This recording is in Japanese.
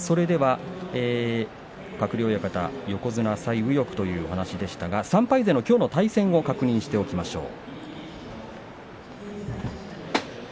鶴竜親方横綱最有力ということですが３敗勢のきょうの対戦を確認しておきましょう。